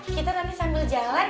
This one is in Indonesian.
kita nanti sambil jalan